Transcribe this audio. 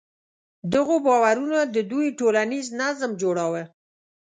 دغو باورونو د دوی ټولنیز نظم جوړاوه.